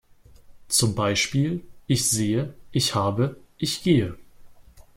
Zum Beispiel: Ich sehe, ich habe, ich gehe.